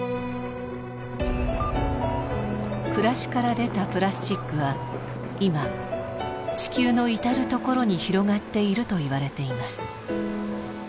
暮らしから出たプラスチックは今地球の至る所に広がっているといわれています。